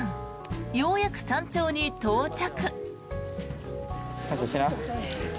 ようやく山頂に到着。